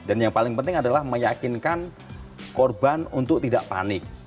dan yang paling penting adalah meyakinkan korban untuk tidak panik